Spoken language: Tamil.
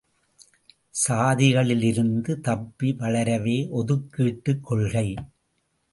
சாதிகளிலிருந்து தப்பி வளரவே ஒதுக்கீட்டுக் கொள்கை.